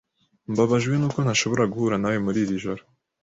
Mbabajwe nuko ntashobora guhura nawe muri iri joro.